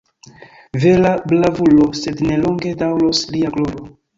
Vera bravulo, sed ne longe daŭros lia gloro!